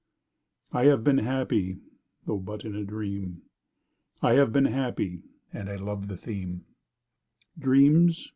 I have been happy—tho' but in a dream I have been happy—& I love the theme— Dreams!